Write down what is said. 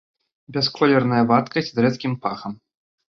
Бясколерная вадкасць з рэзкім пахам.